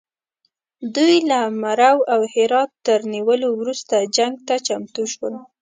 دوی له مرو او هرات تر نیولو وروسته جنګ ته چمتو شول.